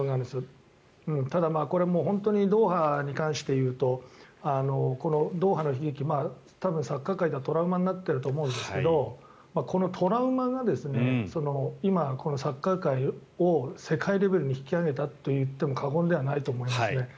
ただ、これはドーハに関して言うとこのドーハの悲劇多分、サッカー界ではトラウマになっていると思うんですがこのトラウマが今このサッカー界を世界レベルに引き上げたといっても過言ではないと思いますね。